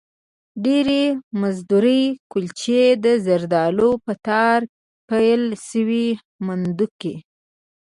ډېرې مزهدارې کلچې، د زردالو په تار کې پېل شوې مندکې